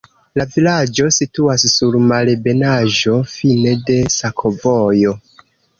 La vilaĝo situas sur malebenaĵo, fine de sakovojo.